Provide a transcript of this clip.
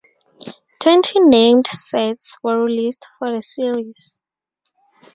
Twenty named sets were released for the series.